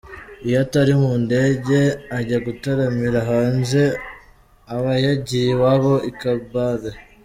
Iyo atari mu ndege ajya gutaramira hanze aba yagiye iwabo i Kabale.